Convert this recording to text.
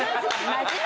真面目。